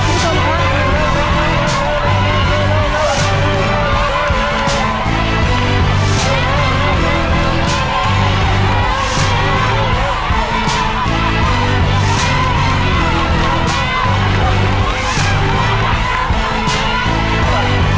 ๑๒กล่อง๓นาทีนะครับคุณผู้ชมครับ